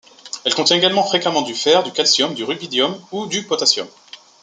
Elle contient également fréquemment du fer, du calcium, du rubidium ou du potassium.